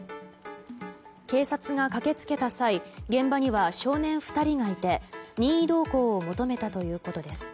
警察が駆け付けた際現場には少年２人がいて任意同行を求めたということです。